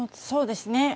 そうですね。